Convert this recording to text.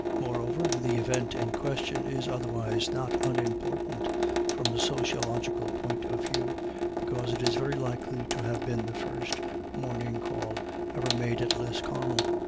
Moreover, the event in question is otherwise not unimportant from a sociological point of view, because it is very likely to have been the first morning call ever made at Lisconnel.